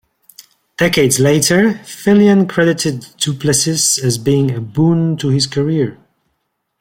Decades later, Filion credited Duplessis as being a boon to his career.